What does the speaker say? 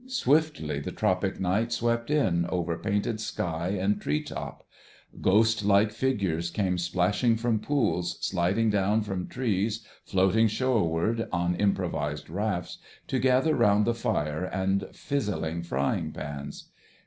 Swiftly the tropic night swept in over painted sky and tree top. Ghost like figures came splashing from pools, sliding down from trees, floating shoreward on improvised rafts, to gather round the fire and fizzling frying pans.